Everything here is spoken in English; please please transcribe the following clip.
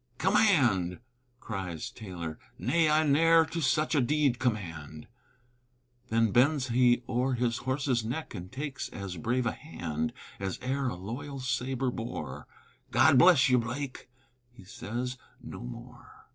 "'Command'!" cries Taylor; "nay, I ne'er To such a deed 'command!'" Then bends he o'er his horse's neck And takes as brave a hand As e'er a loyal sabre bore: "God bless you, Blake," he says no more.